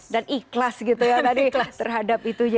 dan ikhlas gitu ya tadi terhadap itu